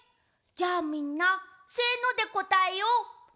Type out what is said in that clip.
じゃあみんな「せの」でこたえよう。